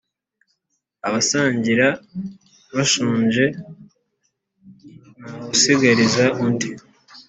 Abasangira bashonje ntawusigariza undi.